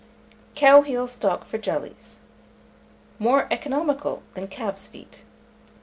COW HEEL STOCK FOR JELLIES. (More Economical than Calf's Feet.)